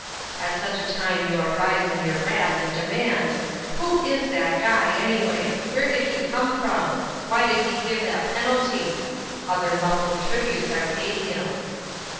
At such a time you arise in your wrath and demand: "Who is that guy anyway? Where did he come from? Why did he give that penalty?" Other muffled tributes are paid him.